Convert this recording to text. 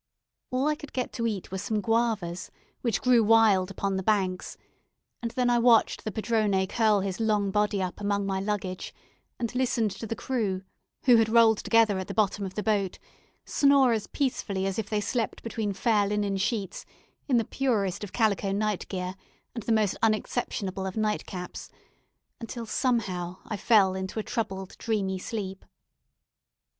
All I could get to eat was some guavas, which grew wild upon the banks, and then I watched the padrone curl his long body up among my luggage, and listened to the crew, who had rolled together at the bottom of the boat, snore as peacefully as if they slept between fair linen sheets, in the purest of calico night gear, and the most unexceptionable of nightcaps, until somehow I fell into a troubled, dreamy sleep.